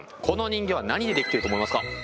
この人形は何でできてると思いますか？